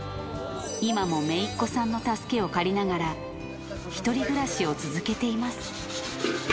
今もめいっ子さんの助けを借りながら、１人暮らしを続けています。